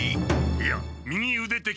いや右うでてき。